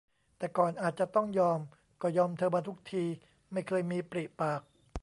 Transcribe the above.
แต่ก่อนอาจจะต้องยอม ก็ยอมเธอมาทุกที ไม่เคยมีปริปาก